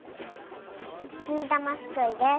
ビーだますくいです。